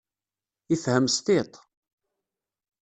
Ifhem s tiṭ.